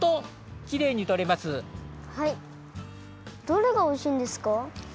どれがおいしいんですか？